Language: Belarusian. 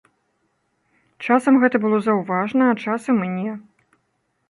Часам гэта было заўважана, а часам і не.